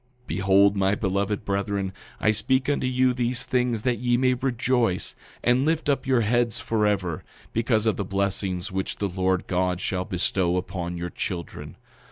9:3 Behold, my beloved brethren, I speak unto you these things that ye may rejoice, and lift up your heads forever, because of the blessings which the Lord God shall bestow upon your children.